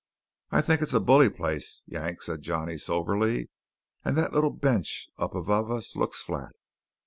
"I think it's a bully place, Yank," said Johnny soberly, "and that little bench up above us looks flat."